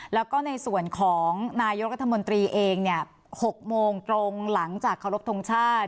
แล้วก็ในส่วนของนายรัฐมนตรีเองเนี่ยหกโมงตรงหลังจากขอรบทรงชาติ